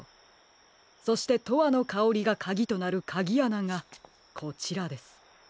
そして「とわのかおり」がかぎとなるかぎあながこちらです。